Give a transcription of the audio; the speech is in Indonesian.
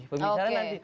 lalu misalnya nanti